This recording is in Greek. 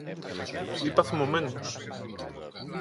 είπα θυμωμένος